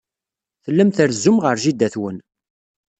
Tellam trezzum ɣef jida-twen.